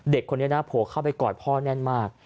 เด็กคนนี้นะผัวเข้าไปกอดพ่อแน่นมาก